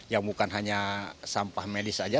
yang bukan hanya sampah medis aja